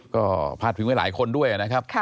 ก็พาดพิมพ์ให้หลายคนด้วยอะนะครับ